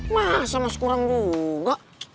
masa masih kurang juga